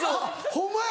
ホンマや！